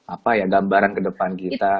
apa ya gambaran kedepan kita